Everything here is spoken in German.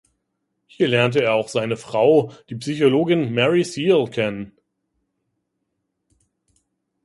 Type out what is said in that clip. Hier lernte er auch seine Frau, die Psychologin Mary Searle, kennen.